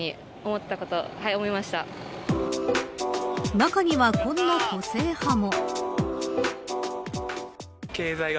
中には、こんな個性派も。